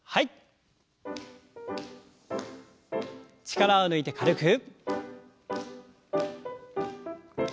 力を抜いて軽く。